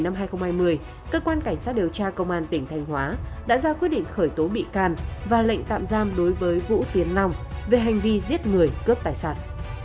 ngày một mươi hai tháng một mươi năm hai nghìn hai mươi cơ quan cảnh sát điều tra công an tỉnh thành hóa đã ra quyết định khởi tố bị can và lệnh tạm giam đối với vũ tiến long về hành vi giết người cướp tài sản